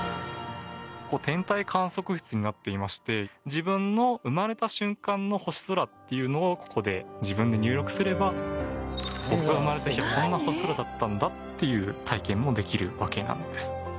自分の生まれた瞬間の星空っていうのをここで自分で入力すれば僕が生まれた日はこんな星空だったんだっていう体験もできるわけなんです。